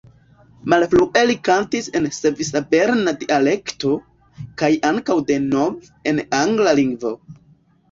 Malfrue li kantis en svisa berna dialekto, kaj ankaŭ de nove en angla lingvo.